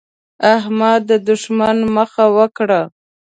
احمد د دوښمن مخه وکړه.